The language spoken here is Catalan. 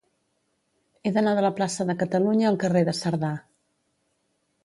He d'anar de la plaça de Catalunya al carrer de Cerdà.